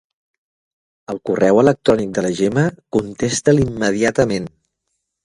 El correu electrònic de la Gemma, contesta'l immediatament.